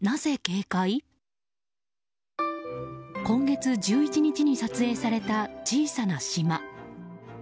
今月１１日に撮影された小さな島。